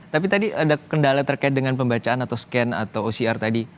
tapi tadi ada kendala terkait dengan pembacaan atau scan atau ocr tadi